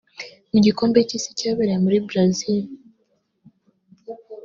Mu gikombe cy’Isi cyabereye muri Brazil